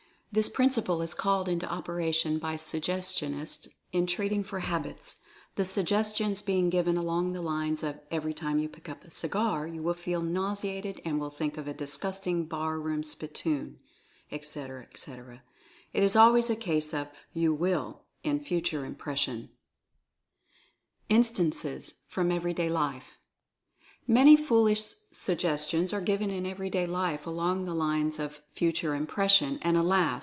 This principle is called into operation by Suggestionists in treating for "habits," the suggestions being given along the lines of "Every time you pick up a cigar you will feel nauseated and will think of a disgusting bar room spittoon," etc., etc. It is always a case of "you will" in Future Impression. Future Impression 171 INSTANCES FROM EVERYDAY LIFE. Many foolish suggestions are given in everyday life along the lines of Future Impression, and alas